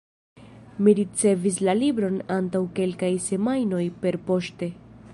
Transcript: Mi ricevis la libron antaŭ kelkaj semajnoj perpoŝte.